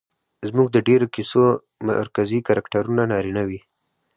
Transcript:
زموږ د ډېرو کيسو مرکزي کرکټرونه نارينه وي